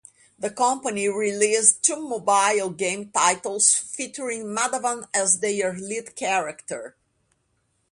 The company released two mobile game titles featuring Madhavan as their lead character.